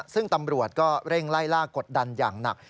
ซึ่งตำรวจก็เร่งไล่ล่ากดดันอย่างหนัก